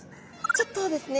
ちょっとですね